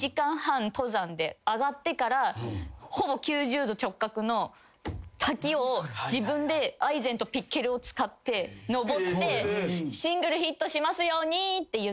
上がってからほぼ９０度直角の滝を自分でアイゼンとピッケルを使って登ってシングルヒットしますようにって言って。